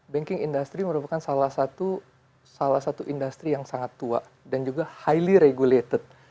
banking industry merupakan salah satu industri yang sangat tua dan juga highly regulated